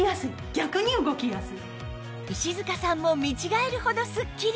石塚さんも見違えるほどすっきり！